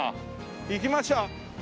行きましょう。